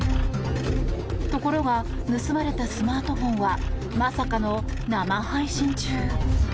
ところが、盗まれたスマートフォンはまさかの生配信中。